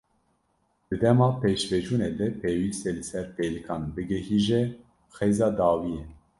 Di dema pêşveçûnê de pêwîst e li ser pêlikan bigihîje xêza dawiyê.